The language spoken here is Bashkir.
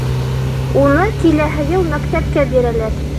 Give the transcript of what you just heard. Уны киләһе йыл мәктәпкә бирәләр